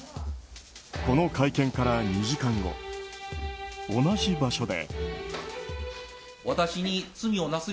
この会見から２時間後同じ場所で。